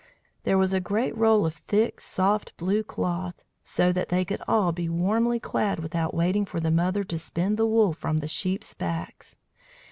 There was a great roll of thick, soft blue cloth, so that they could all be warmly clad without waiting for the mother to spin the wool from the sheeps' backs.